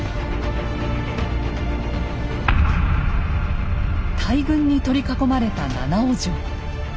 大軍に取り囲まれた七尾城。